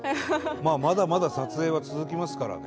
まあまだまだ撮影は続きますからね。